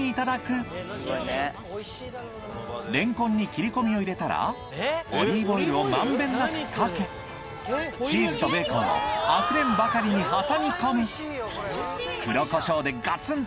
レンコンに切り込みを入れたらオリーブオイルを満遍なくかけあふれんばかりに挟み込む黒コショウでガツン！